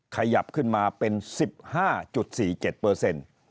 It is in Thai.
ขยับขึ้นมาเป็น๑๕๔๗เปอร์เซ็นต์